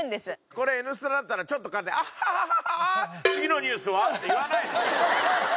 これ『Ｎスタ』だったらちょっとかんで「アハハハハ」「次のニュースは」って言わないでしょ。